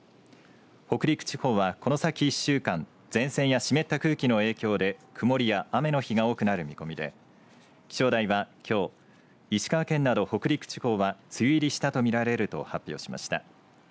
北陸地方はこの先１週間前線や湿った空気の影響で曇りや雨の日が多くなる見込みで気象台は、きょう石川県など北陸地方は梅雨入りしたとみられると発表しました。